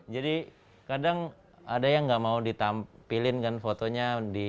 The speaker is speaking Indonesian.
jadi kadang ada yang nggak mau ditampilin kan fotonya